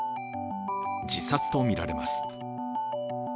自殺とみられます。